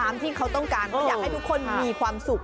ที่เขาต้องการเขาอยากให้ทุกคนมีความสุข